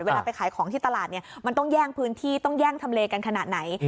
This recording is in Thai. ไปขายของที่ตลาดเนี่ยมันต้องแย่งพื้นที่ต้องแย่งทำเลกันขนาดไหน